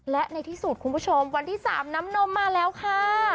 และในที่สุดคุณผู้ชมวันที่๓น้ำนมมาแล้วค่ะ